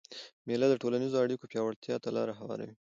مېله د ټولنیزو اړیکو پیاوړتیا ته لاره هواروي.